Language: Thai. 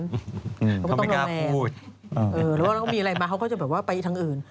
เขาไม่กล้าพูดเขาไม่กล้าพูดเออแล้วเราก็มีอะไรมาเขาก็จะแบบว่าไปทางอื่น